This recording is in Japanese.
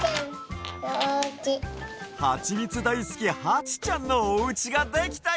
はちみつだいすきはちちゃんのおうちができたＹＯ！